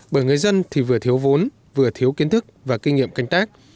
bởi người dân thì vừa thiếu vốn vừa thiếu kiến thức và kinh nghiệm canh tác